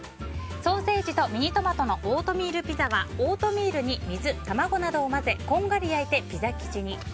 ソーセージとミニトマトのオートミールピザはオートミールに水、卵などを混ぜこんがり焼いてピザ生地に。